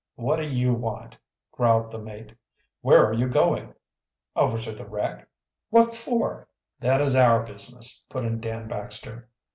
"What do you want?" growled the mate. "Where are you going?" "Over to the wreck." "What for?" "That is our business," put in Dan Baxter.